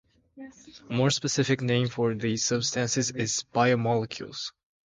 A more specific name for these substances is biomolecules.